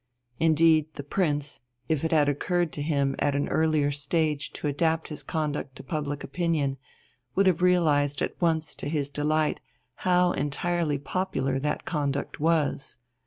Indeed, the Prince, if it had occurred to him at an earlier stage to adapt his conduct to public opinion, would have realized at once to his delight how entirely popular that conduct was.